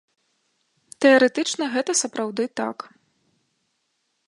Тэарэтычна гэта сапраўды так.